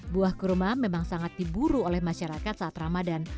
buah kurma memang sangat diburu oleh masyarakat saat ramadan